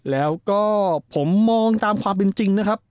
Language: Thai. แล้วก็ผมมองตามความเป็นจริงนะครับ